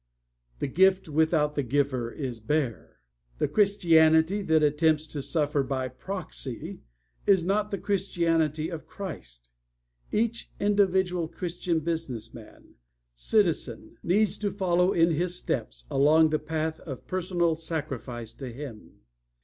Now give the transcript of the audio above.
'The gift without the giver is bare.' The Christianity that attempts to suffer by proxy is not the Christianity of Christ. Each individual Christian business man, citizen, needs to follow in His steps along the path of personal sacrifice to Him.